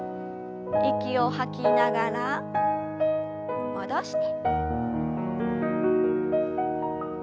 息を吐きながら戻して。